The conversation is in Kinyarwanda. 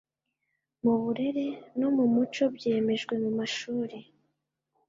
mu burere nomu muco byemejwe mu mashuri